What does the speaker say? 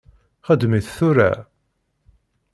Xdem-it tura.